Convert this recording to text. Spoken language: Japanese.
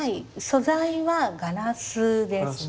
素材はガラスですね。